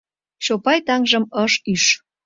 Чопай таҥжым ыш ӱж.